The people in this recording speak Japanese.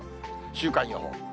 週間予報。